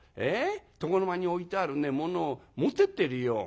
床の間に置いてあるねものを持ってってるよ。